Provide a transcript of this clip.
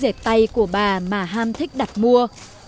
những chiếu dệt tay của bà mà ham thích đặt mua